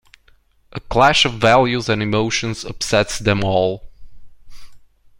A clash of values and emotions upsets them all.